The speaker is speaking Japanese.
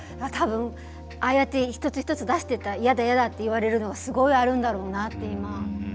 たぶん、ああやって一つ一つ出していったら嫌だ嫌だって言われるのがすごいあるんだろうなって。